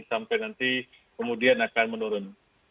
sampai nanti kemudian akan menurun